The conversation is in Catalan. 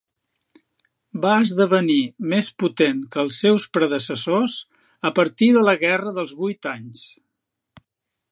Va esdevenir més potent que els seus predecessors a partir de la guerra dels vuit anys.